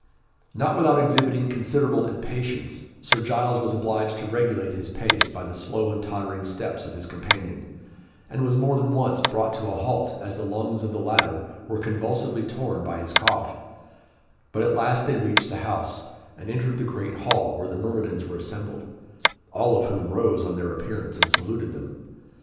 Not without exhibiting considerable impatience, Sir Giles was obliged to regulate his pace by the slow and tottering steps of his companion, and was more than once brought to a halt as the lungs of the latter were convulsively torn by his cough, but at last they reached the house, and entered the great hall, where the myrmidons were assembled all of whom rose on their appearance, and saluted them.